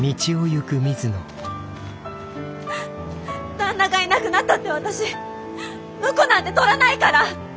旦那がいなくなったって私婿なんて取らないから。